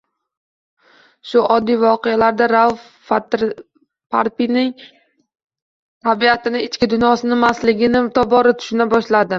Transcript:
Shu oddiy voqealarda Rauf Parfining tabiatini, ichki dunyosini, maslagini tobora tushuna boshladim.